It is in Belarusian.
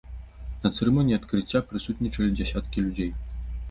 На цырымоніі адкрыцця прысутнічалі дзясяткі людзей.